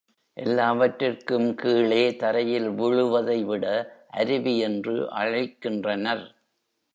எல்லாவற்றிற்கும் கீழே தரையில் விழுவதை வட அருவி என்று அழைக்கின்றனர்.